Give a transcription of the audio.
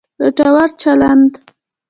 ګټور چلند